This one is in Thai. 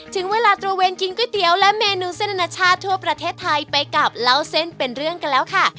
ถึงเวลาตระเวนกินก๋วยเตี๋ยวและเมนูเส้นอนาชาติทั่วประเทศไทยไปกับเล่าเส้นเป็นเรื่องกันแล้วค่ะ